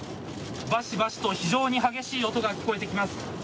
バシバシと非常に激しい音が聞こえてきます。